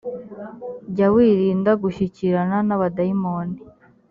jya wirinda gushyikirana n abadayimoni